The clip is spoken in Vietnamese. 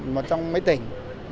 một trong mấy tỉnh